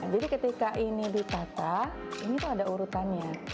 ketika ini ditata ini tuh ada urutannya